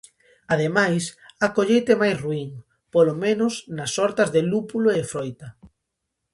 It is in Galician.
Ademais, a colleita é máis ruín, polo menos nas hortas de lúpulo e froita.